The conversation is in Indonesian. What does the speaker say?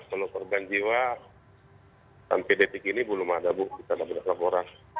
kalau perban jiwa sampai detik ini belum ada bu kita belum ada laporan